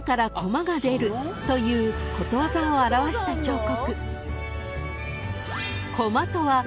［ということわざを表した彫刻］